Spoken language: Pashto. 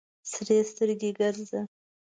سرې سترګې ګرځه.